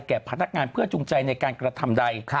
พนักงานเพื่อจูงใจในการกระทำใด